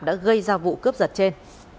đã gây ra vụ cướp giật trên